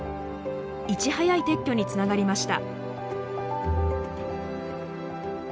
いち早い撤去につながりました。